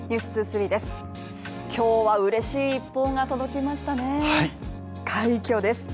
今日は嬉しい一報が届きましたね快挙です。